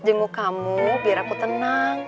jenguk kamu biar aku tenang